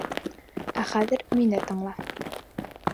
Ә хәҙер мине тыңла.